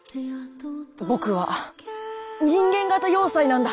僕は人間型要塞なんだ。